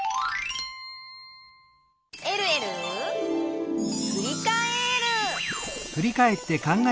「えるえるふりかえる」